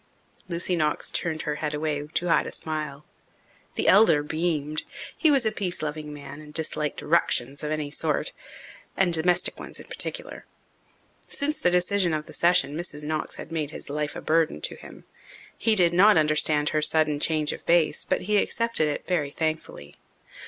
Lucy Knox turned her head away to hide a smile. The elder beamed. He was a peace loving man and disliked "ructions" of any sort and domestic ones in particular. Since the decision of the session Mrs. Knox had made his life a burden to him. He did not understand her sudden change of base, but he accepted it very thankfully.